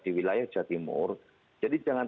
di wilayah jawa timur jadi jangan